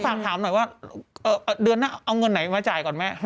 ฝากถามหน่อยว่าเดือนหน้าเอาเงินไหนมาจ่ายก่อนแม่